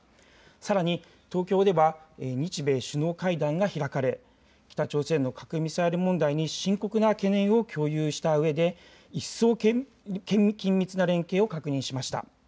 さらに東京では日米首脳会談が開かれ北朝鮮の核・ミサイル問題に深刻な懸念を共有したうえで一層緊密な連携を確認しました。